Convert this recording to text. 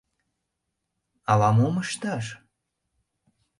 — Ала-мом ышташ?..